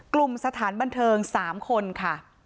กลุ่มสถานบันเทิง๓คนค่ะ